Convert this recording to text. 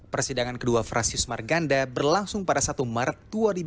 persidangan kedua francis marganda berlangsung pada satu maret dua ribu dua puluh